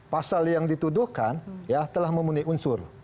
pasal yang dituduhkan ya telah memenuhi unsur